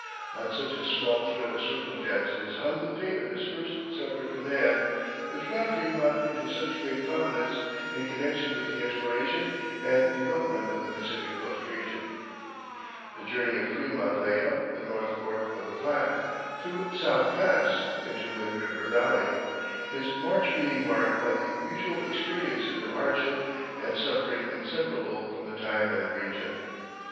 On such a small thread of circumstances hung the fate of his first separate command, which brought Frémont into such great prominence in connection with the exploration and development of the Pacific Coast region. The journey of Frémont lay up the North Fork of the Platte, through South Pass, into Wind River Valley, his march being marked by the usual experiences of hardship and suffering inseparable from the time and region.